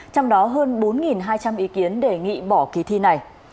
trong đó hơn bốn hai trăm linh ý kiến đề nghị bỏ kỳ thi này